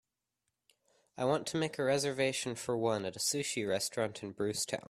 I want to make a reservation for one at a sushi restaurant in Brucetown